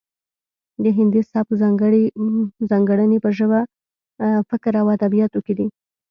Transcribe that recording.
د هندي سبک ځانګړنې په ژبه فکر او ادبیاتو کې دي